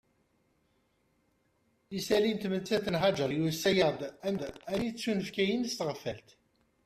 Isalli n tmettant n Haǧer yusa-aɣ-d am tiyita yettunefkayen s tɣeffal